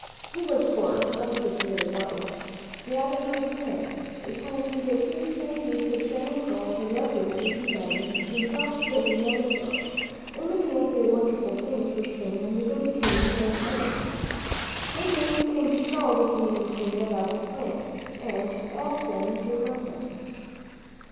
He was poor, but he was very wise. He had a great plan, a plan to get heaps and heaps of shining pearls, and red rubies, and diamonds, and soft blue and white and yellow silks, and many other wonderful things for Spain and the good King and Queen. Columbus came to tell the King and Queen about his plan, and to ask them to help him.